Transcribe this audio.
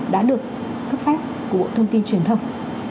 đã được cấp phép của bộ thông tin truyền thông